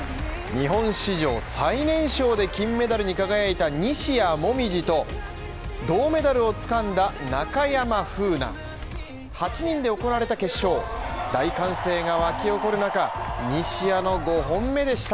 日本史上最年少で金メダルに輝いた西矢椛と、銅メダルをつかんだ中山楓奈８人で行われた決勝大歓声が沸き起こる中、西矢の５本目でした。